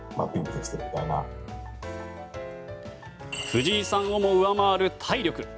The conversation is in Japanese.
藤井さんをも上回る体力。